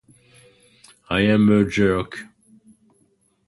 I am a jerk.